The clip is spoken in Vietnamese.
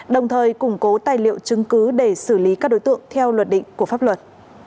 đồng thời củng cố tài liệu chứng cứ để xử lý các đối tượng theo luật định của pháp luật